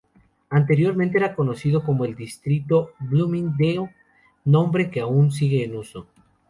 Anteriormente era conocido como el Distrito Bloomingdale, nombre que aún sigue en uso.